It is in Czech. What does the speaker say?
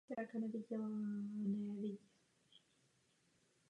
Sloupce pod nulovou hodnotou jsou červené v případě rozšíření mezery.